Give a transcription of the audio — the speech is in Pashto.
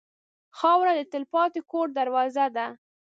خاوره د تلپاتې کور دروازه ده.